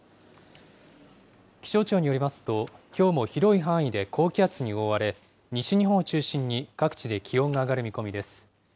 気象庁によりますと、きょうも広い範囲で高気圧に覆われ、西日本を中心に各地で気温が上がる見込みです。